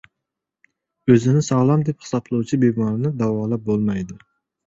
O‘zini sog‘lom deb hisoblovchi bemorni davolab bo‘lmaydi.